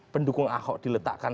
pendukung aho diletakkan